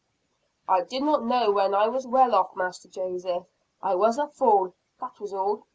"I did not know when I was well off, Master Joseph. I was a fool, that was all."